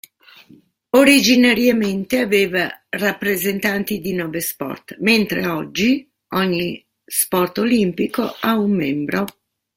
Originariamente aveva rappresentanti di nove sport, mentre oggi ogni sport olimpico ha un membro.